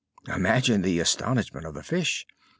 Imagine the astonishment of the fish!